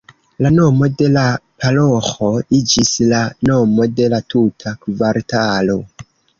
La nomo de la paroĥo iĝis la nomo de la tuta kvartalo.